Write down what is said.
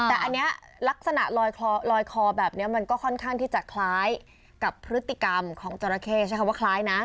แต่อันนี้ลักษณะลอยคอแบบนี้มันก็ค่อนข้างที่จะคล้ายกับพฤติกรรมของจราเข้ใช้คำว่าคล้ายนะ